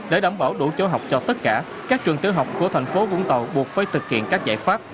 để đảm bảo đủ chỗ học cho tất cả các trường tiểu học của thành phố vũng tàu buộc phải thực hiện các giải pháp